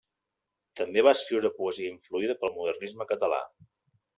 També va escriure poesia influïda pel modernisme català.